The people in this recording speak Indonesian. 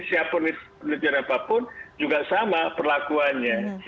siapapun penelitian apapun juga sama perlakuannya